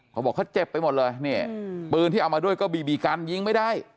เขาบอกเขาเจ็บไปหมดเลยนี่ปืนที่เอามาด้วยก็บีบีกันยิงไม่ได้